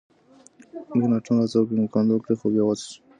مکناتن هڅه وکړه مقاومت وکړي خو بې وسه شو.